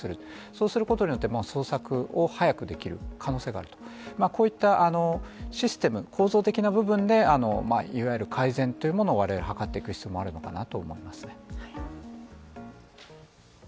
そうすることによって捜索を早くできる可能性があるとこういったシステム構造的な部分でいわゆる改善というものを我々図っていく必要もあるのかなと思いますね。